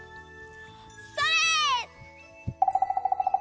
それ！